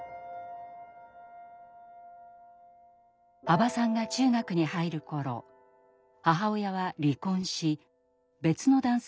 羽馬さんが中学に入る頃母親は離婚し別の男性と再婚しました。